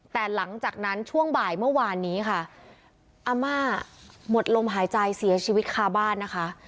แต่หลังจากนั้นช่วงบ่ายเมื่อวานนี้ค่ะอาม่าหมดลมหายใจเสียชีวิตคาบ้านนะคะ